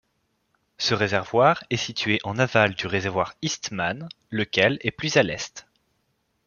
Ce réservoir est situé en aval du réservoir Eastman, lequel est plus à l'est.